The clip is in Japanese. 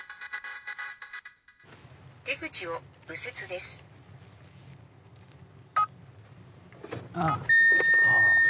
「出口を右折です」ああ。